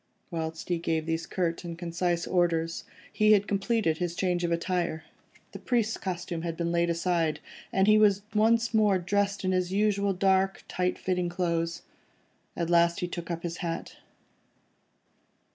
Whilst he gave these curt and concise orders, he had completed his change of attire. The priest's costume had been laid aside, and he was once more dressed in his usual dark, tight fitting clothes. At last he took up his hat.